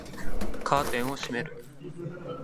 カーテンを閉める